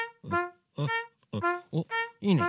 おっいいね！